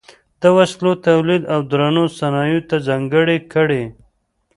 د وسلو تولید او درنو صنایعو ته ځانګړې کړې.